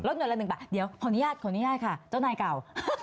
ลดหน่วยละ๑ป่ะเดี๋ยวขออนุญาตค่ะเจ้านายเก่า